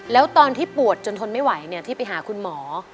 แล้วตอนที่ปวดจนทนไม่ไหวที่ไปหาคุณหมอ